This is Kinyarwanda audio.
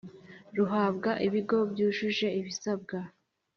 ruhabwa ibigo byujuje ibisabwa.